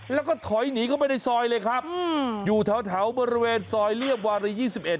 แล้วก็ถอยหนีเข้าไปในซอยเลยครับอยู่แถวบริเวณซอยเรียบวารี๒๑